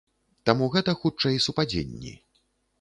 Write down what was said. Таму гэта хутчэй супадзенні.